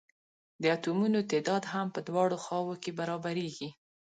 د اتومونو تعداد هم په دواړو خواؤ کې برابریږي.